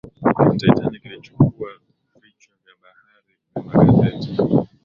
titanic ilichukua vichwa vya habari vya magazeti